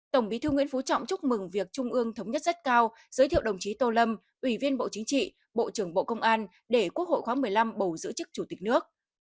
tổng bí thư nguyễn phú trọng chúc mừng việc trung ương thống nhất rất cao giới thiệu đồng chí tô lâm ủy viên bộ chính trị bộ trưởng bộ công an để quốc hội khóa một mươi năm bầu giữ chức chủ tịch nước